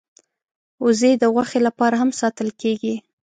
وزې د غوښې لپاره هم ساتل کېږي